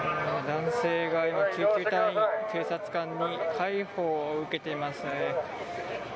男性が今、救急隊員、警察官に介抱を受けていますね。